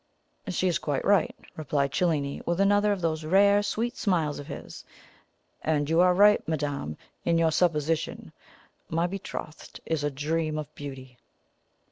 "She is quite right," replied Cellini, with another of those rare sweet smiles of his; "and you also are right, madame, in your supposition: my betrothed is a Dream of Beauty."